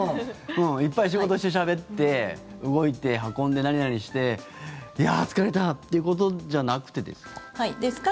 いっぱい仕事してしゃべって動いて、運んで、何々していやあ、疲れたってことじゃなくてですか？